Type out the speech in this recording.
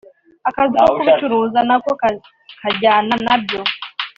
akazi ko kubicuruza nako kajyana na byo